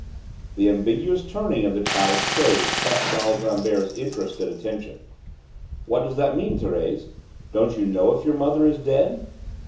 The ambiguous turning of the child's phrase caught Charles Rambert's interested attention. "What does that mean, Thérèse? Don't you know if your mother is dead?"